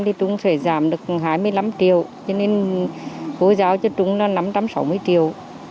thì chúng sẽ giảm được hai mươi năm triệu cho nên cô giáo cho chúng là năm trăm sáu mươi triệu